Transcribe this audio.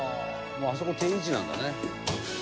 もうあそこ定位置なんだね」